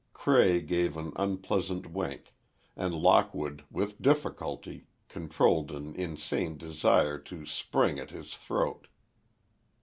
Cray gave an unpleasant wink, and Lockwood with difficulty controlled an insane desire to spring at his throat.